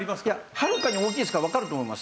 はるかに大きいですからわかると思います。